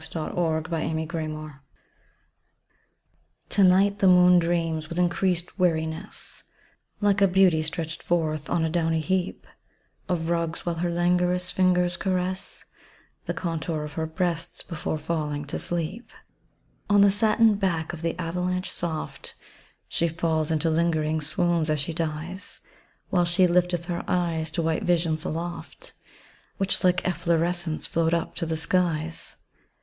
Sadness of the Moon Goddess To night the Moon dreams with increased weariness, Like a beauty stretched forth on a downy heap Of rugs, while her languorous fingers caress The contour of her breasts, before falling to sleep. On the satin back of the avalanche soft, She falls into lingering swoons, as she dies, While she lifteth her eyes to white visions aloft, Which like efflorescence float up to the skies.